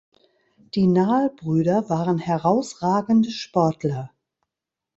Die Nahl Brüder waren herausragende Sportler.